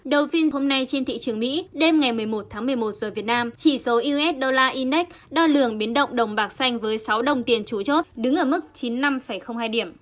đầu phiên hôm nay trên thị trường mỹ đêm ngày một mươi một tháng một mươi một giờ việt nam chỉ số usd innex đo lường biến động đồng bạc xanh với sáu đồng tiền chú chốt đứng ở mức chín mươi năm hai điểm